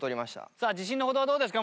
さあ自信のほどはどうですか？